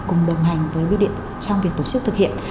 cùng đồng hành với biêu điện trong việc tổ chức thực hiện